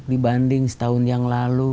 dibanding setahun yang lalu